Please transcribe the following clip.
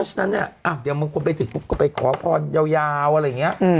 อ้าวเดี๋ยวมันควรไปถึงก็ไปขอพรเยาวอะไรอย่างเงี้ย